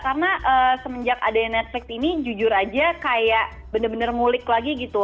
karena semenjak ada netflix ini jujur aja kayak bener bener ngulik lagi gitu